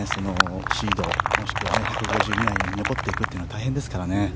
シードもしくは１５０位以内に残っていくのは大変ですからね